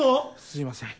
すみません。